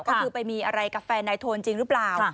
ก็คือไปมีอะไรกับแฟนนายโทนจริงหรือเปล่า